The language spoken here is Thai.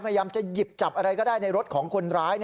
พยายามจะหยิบจับอะไรก็ได้ในรถของคนร้าย